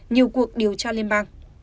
vụ cuộc điều tra liên bang